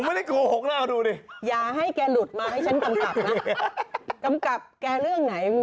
ไม่มั้งเขาจี้ละจี้ไปเลย